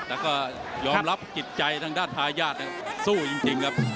แล้วก็ยอมรับจิตใจทางด้านทายาทสู้จริงครับ